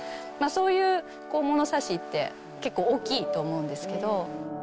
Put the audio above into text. そういう物差しって、結構大きいと思うんですけど。